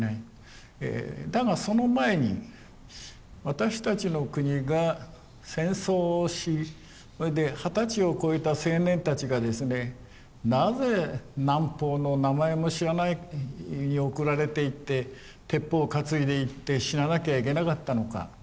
だがその前に私たちの国が戦争をしそれで二十歳を超えた青年たちがですねなぜ南方の名前も知らないに送られていって鉄砲を担いでいって死ななきゃいけなかったのか。